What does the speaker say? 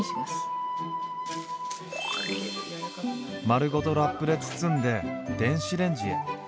丸ごとラップで包んで電子レンジへ。